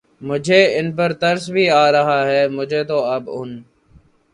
مجھے ان پر ترس بھی آ رہا ہے، مجھے تو اب ان